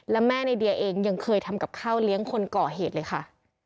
และแม่ในเดียเองยังเคยทำกับข้าวเลี้ยงคนก่อเหตุเลยค่ะ